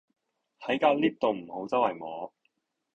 喺架 𨋢 度唔好週圍摸